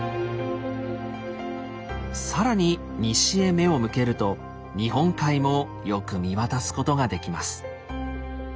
更に西へ目を向けると日本海もよく見渡すことができます。